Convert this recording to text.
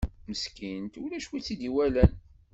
Meskint, ulac win i tt-id-iwalan.